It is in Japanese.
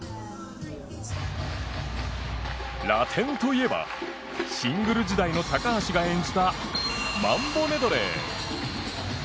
ラテンといえばシングル時代の高橋が演じた「マンボメドレー」。